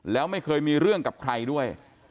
แล้วไม่เคยมีเรื่องกับใครด้วย